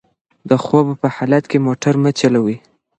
د خوب په حالت کې موټر مه چلوئ.